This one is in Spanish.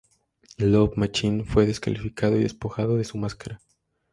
Love Machine fue descalificado y despojado de su máscara.